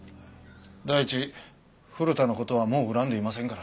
第一古田の事はもう恨んでいませんから。